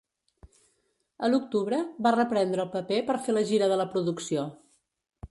A l'octubre, va reprendre el paper per fer la gira de la producció.